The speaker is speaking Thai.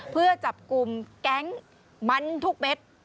เพื่อจับกลุ่มแก๊งมันทุกเม็ด